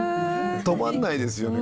止まんないですよね